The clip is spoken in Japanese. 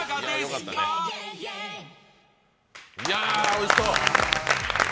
おいしそう。